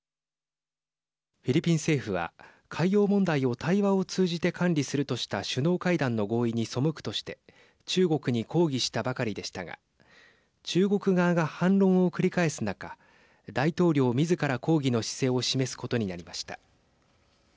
フィリピン政府は海洋問題を対話を通じて管理するとした首脳会談の合意に背くとして中国に抗議したばかりでしたが中国側が反論を繰り返す中大統領みずから抗議の姿勢を示すことになりました。